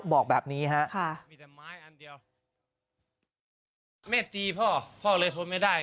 บอกแบบนี้ฮะค่ะมีแต่ไม้อันเดียวแม่จีพ่อพ่อเลยทนไม่ได้